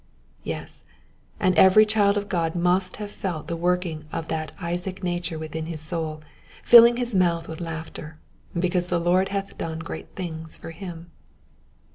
Yes, and every child of God must have felt the working of that Isaac nature within his soul, filling his mouth with laughter, because the Lord hath done great things for him.